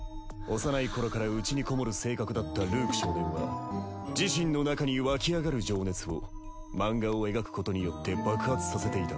幼い頃から内にこもる性格だったルーク少年は自身の中に湧き上がる情熱を漫画を描くことによって爆発させていた。